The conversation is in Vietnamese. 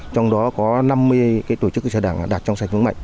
trong đó có năm mươi tổ chức cơ sở đảng đạt trong sạch vững mạnh